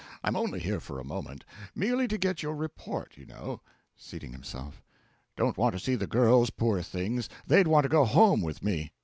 I'm only here for a moment merely to get your report, you know. (Seating himself.) Don't want to see the girls poor things, they'd want to go home with me.